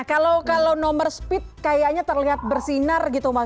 kalau nomor speed terlihat bersinar